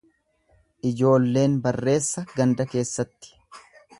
Ijoolleen barreessa ganda keessatti.